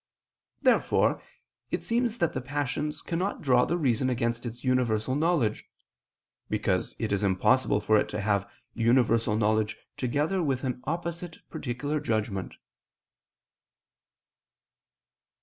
Therefore it seems that the passions cannot draw the reason against its universal knowledge; because it is impossible for it to have universal knowledge together with an opposite particular judgment.